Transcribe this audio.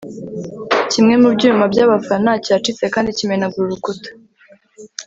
kimwe mu byuma byabafana cyacitse kandi kimenagura urukuta